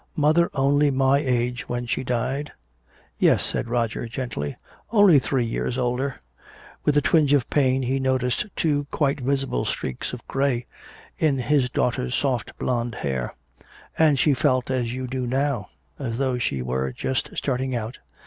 "Mother only my age when she died?" "Yes," said Roger gently, "only three years older." With a twinge of pain he noticed two quite visible streaks of gray in his daughter's soft blonde hair. "And she felt as you do now as though she were just starting out.